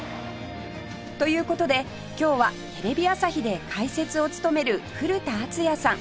という事で今日はテレビ朝日で解説を務める古田敦也さん